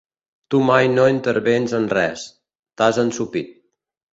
Tu mai no intervens en res: t'has ensopit.